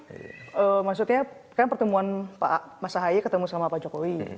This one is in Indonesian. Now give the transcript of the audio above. ya itu maksudnya kan pertemuan pak masahaye ketemu sama pak jokowi